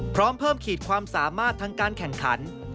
พร้อมเพิ่มขีดความสามารถทางการแข่งขัน